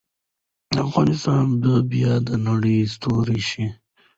افغانستان به بیا د نړۍ ستوری شي.